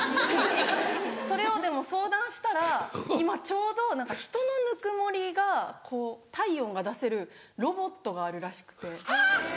それをでも相談したら今ちょうど何か人のぬくもりがこう体温が出せるロボットがあるらしくて。